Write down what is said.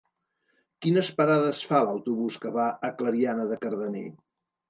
Quines parades fa l'autobús que va a Clariana de Cardener?